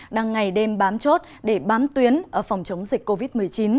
đang ngày đêm bám chốt để bám tuyến ở phòng chống dịch covid một mươi chín